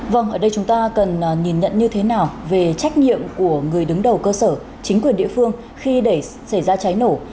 vâng ở đây chúng ta cần nhìn nhận như thế nào về trách nhiệm của người đứng đầu cơ sở chính quyền địa phương khi để xảy ra cháy nổ